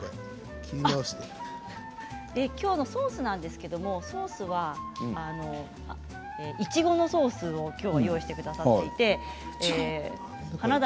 きょうのソースなんですけれどいちごのソースをきょうはご用意してくださいました。